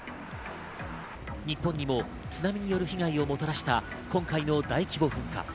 日本にも津波による被害をもたらした今回の大規模噴火。